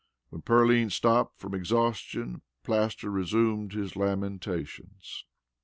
When Pearline stopped from exhaustion, Plaster resumed his lamentations.